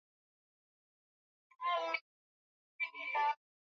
kiasili ilikuwa jina la Waskandinavia wale kutoka Uswidi ya leoMwaka mia tisa themanini